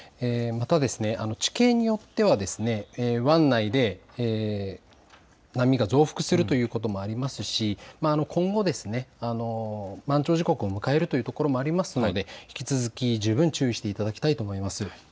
また、地形によっては湾内で波が増幅するということもありますし、今後、満潮時刻を迎えるというところもありますので引き続き十分注意していただきたいと思います。